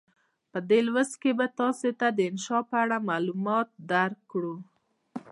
په دې لوست کې به تاسې ته د انشأ په اړه معلومات درکړو.